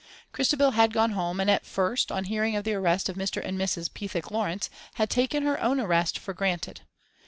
Christabel had gone home, and at first, on hearing of the arrest of Mr. and Mrs. Pethick Lawrence, had taken her own arrest for granted.